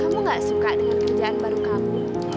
kamu gak suka dengan kerjaan baru kamu